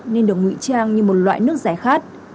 nên được ngụy trang như một loại nước giải khát